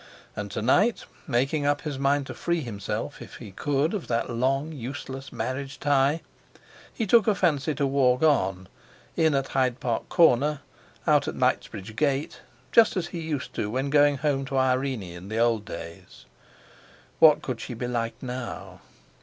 And, to night, making up his mind to free himself if he could of that long useless marriage tie, he took a fancy to walk on, in at Hyde Park Corner, out at Knightsbridge Gate, just as he used to when going home to Irene in the old days. What could she be like now?